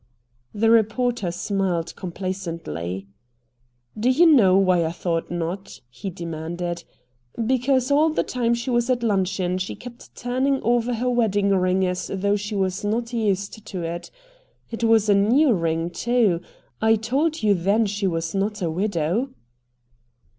The reporter smiled complacently. "Do you know why I thought not?" he demanded. "Because all the time she was at luncheon she kept turning over her wedding ring as though she was not used to it. It was a new ring, too. I told you then she was not a widow."